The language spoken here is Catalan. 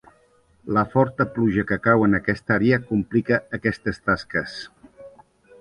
La forta pluja que cau en aquesta àrea complica aquestes tasques.